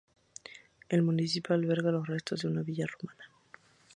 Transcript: El municipio alberga los restos de una villa romana.